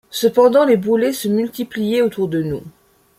Cependant les boulets se multipliaient autour de nous.